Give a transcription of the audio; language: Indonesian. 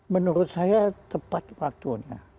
menurut saya tepat waktunya